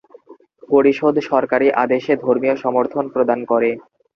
পরিষদ সরকারি আদেশে ধর্মীয় সমর্থন প্রদান করে।